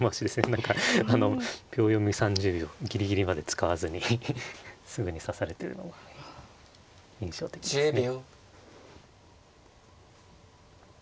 何かあの秒読み３０秒ギリギリまで使わずにすぐに指されてるのが印象的ですね。